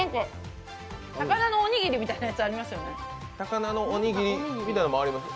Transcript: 高菜のおにぎりみたいのはあります？